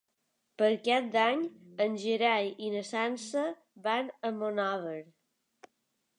Per Cap d'Any en Gerai i na Sança van a Monòver.